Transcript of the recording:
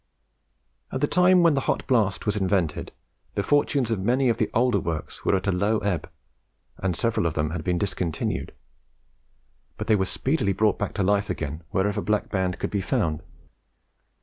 At the time when the hot blast was invented, the fortunes of many of the older works were at a low ebb, and several of them had been discontinued; but they were speedily brought to life again wherever Black Band could be found.